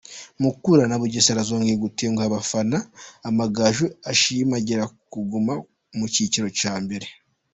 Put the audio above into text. Mukura na Bugesera zongeye gutenguha abafana, Amagaju ashimangira kuguma mu cyiciro cya mbere.